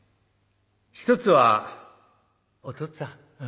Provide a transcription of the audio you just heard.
一つはお父っつぁん。